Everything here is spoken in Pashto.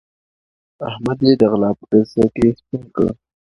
احمد يې د غلا په قضيه کې سپين کړ.